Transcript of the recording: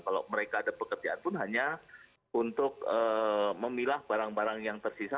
kalau mereka ada pekerjaan pun hanya untuk memilah barang barang yang tersisa